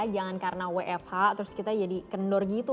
jangan karena wfh terus kita jadi kendor gitu